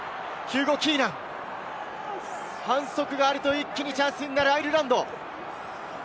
反則があると一気にチャンスになるアイルランド。